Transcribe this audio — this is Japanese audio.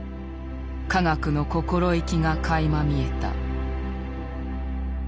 科学の心意気がかいま見えた。